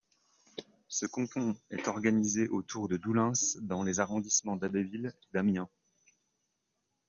Ce canton est organisé autour de Doullens dans les arrondissements d'Abbeville et d'Amiens.